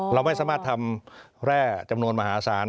เราไม่สามารถทำแร่จำนวนมหาศาล